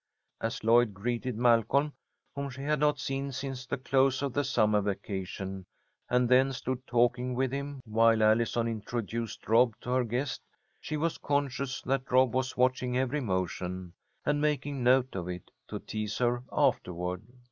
As Lloyd greeted Malcolm, whom she had not seen since the close of the summer vacation, and then stood talking with him while Allison introduced Rob to her guest, she was conscious that Rob was watching every motion, and making note of it, to tease her afterward.